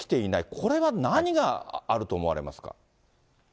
これは何があると思われますか。